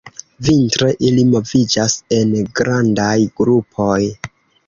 Vintre ili moviĝas en grandaj grupoj.